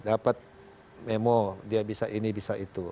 dapat memo dia bisa ini bisa itu